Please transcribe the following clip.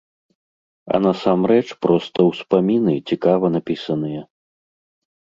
А насамрэч проста ўспаміны, цікава напісаныя.